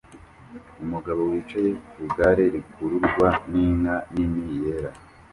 Umugabo wicaye ku igare rikururwa n'inka nini yera